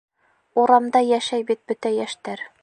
Урамда йәшәй бит бөтә йәштәр.